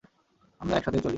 আমরা একসাথেই চলি।